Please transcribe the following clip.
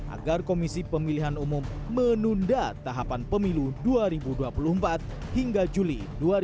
agar komisi pemilihan umum menunda tahapan pemilu dua ribu dua puluh empat hingga juli dua ribu dua puluh